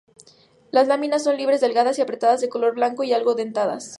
Las láminas son libres, delgadas y apretadas, de color blanco y algo dentadas.